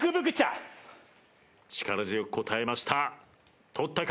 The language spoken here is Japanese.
力強く答えました。